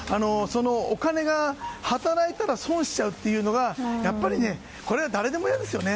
お金が働いたら損しちゃうというのがこれは誰でも嫌ですよね。